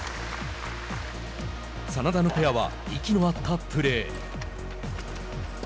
眞田のペアは息の合ったプレー。